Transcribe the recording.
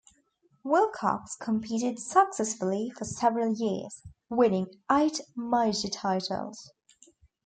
Willcox competed successfully for several years, winning eight major titles.